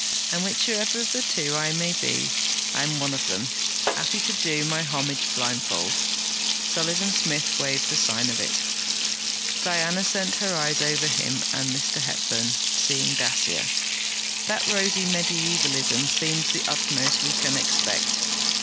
'And whichever of the two I may be, I'm one of them, happy to do my homage blindfold!' Sullivan Smith waved the sign of it. Diana sent her eyes over him and Mr. Hepburn, seeing Dacier. 'That rosy mediaevalism seems the utmost we can expect.'